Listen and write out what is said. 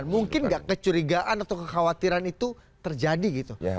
mungkin nggak kecurigaan atau kekhawatiran itu terjadi gitu